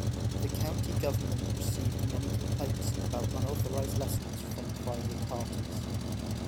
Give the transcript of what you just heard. The county government received many complaints about unauthorized lessons from private parties.